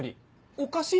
おかしい